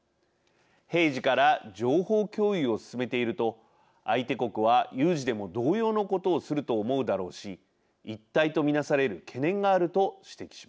平時から情報共有を進めていると相手国は有事でも同様のことをすると思うだろうし一体と見なされる懸念があると指摘します。